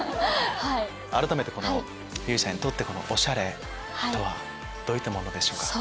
あらためて優衣さんにとって「おしゃれ」とはどういったものでしょうか？